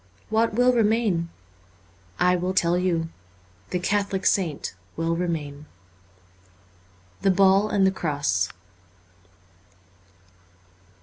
What will remain ? I will tell you : the Catholic saint will remain. ' The Ball and the Cross.'